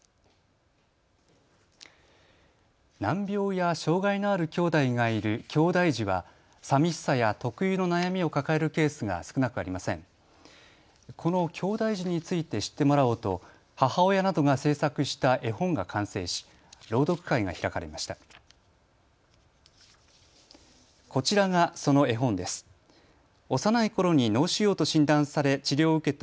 このきょうだい児について知ってもらおうと母親などが制作した絵本が完成し朗読会が開かれました。